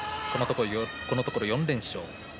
このところ４連勝。